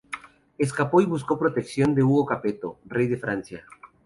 Escapó y buscó la protección de Hugo Capeto, rey de Francia.